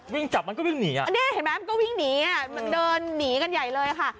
วิ่งจับมันก็วิ่งหนีมันเดินหนีกันใหญ่เลยค่ะ